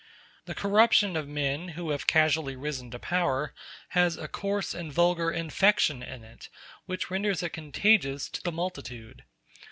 The corruption of men who have casually risen to power has a coarse and vulgar infection in it which renders it contagious to the multitude.